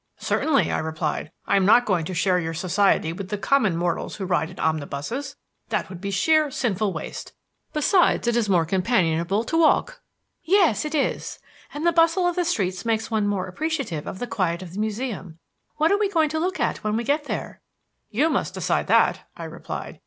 "Certainly," I replied; "I am not going to share your society with the common mortals who ride in omnibuses. That would be sheer, sinful waste. Besides, it is more companionable to walk." "Yes, it is; and the bustle of the streets makes one more appreciative of the quiet of the Museum. What are we going to look at when we get there?" "You must decide that," I replied.